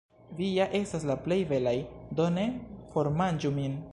Vi ja estas la plej belaj, do ne formanĝu min.